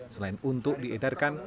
selain untuk diedarkan